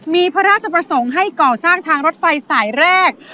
มีพระราชประสงค์ให้ก่อสร้างทางรถไฟสายแรก